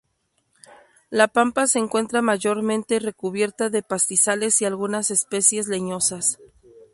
La pampa se encuentra mayormente recubierta de pastizales y algunas especies leñosas.